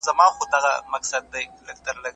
د افغانستان په هر ګوټ کې.